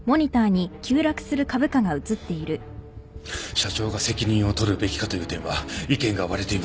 社長が責任を取るべきかという点は意見が割れています。